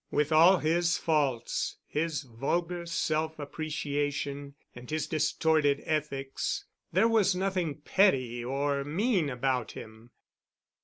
With all his faults, his vulgar self appreciation, and his distorted ethics, there was nothing petty or mean about him.